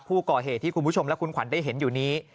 ผู้ก่อเหตุที่คุณผู้ชมและคุณขวัญได้เห็นอยู่นี้